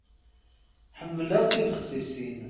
Ḥemmleɣ tibexsisin.